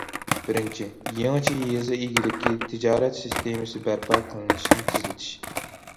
بىرىنچى، يېڭىچە يېزا ئىگىلىكى تىجارەت سىستېمىسى بەرپا قىلىشنى تېزلىتىش.